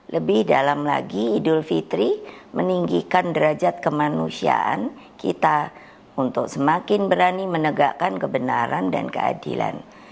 lebih dalam lagi idul fitri meninggikan derajat kemanusiaan kita untuk semakin berani menegakkan kebenaran dan keadilan